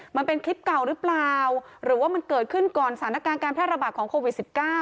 มันเป็นคลิปเก่าหรือเปล่าหรือว่ามันเกิดขึ้นก่อนสถานการณ์การแพร่ระบาดของโควิด๑๙